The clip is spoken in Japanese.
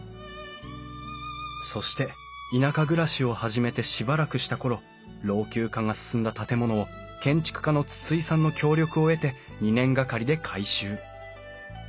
そして田舎暮らしを始めてしばらくした頃老朽化が進んだ建物を建築家の筒井さんの協力を得て２年がかりで改修。